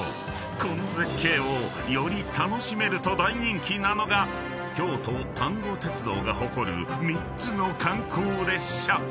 この絶景をより楽しめると大人気なのが京都丹後鉄道が誇る３つの観光列車］